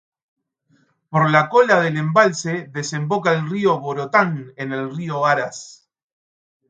Por la cola del embalse desemboca el río Vorotán en el río Aras.